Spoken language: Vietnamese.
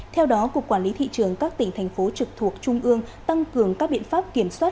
theo đó cục quản lý thị trường các tỉnh thành phố trực thuộc trung ương tăng cường các biện pháp kiểm soát